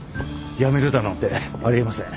辞めるだなんてあり得ません